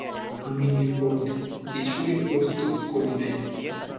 আমি নির্বোধ, কিছুই প্রস্তুত করি নাই।